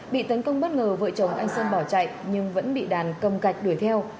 bị tấn công bất ngờ vợ chồng anh sơn bỏ chạy nhưng vẫn bị đàn cầm cạch đuổi theo